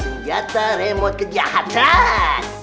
senjata remote kejahatan